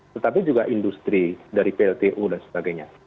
tetapi juga industri dari pltu dan sebagainya